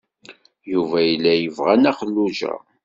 Yuba yella yebɣa Nna Xelluǧa.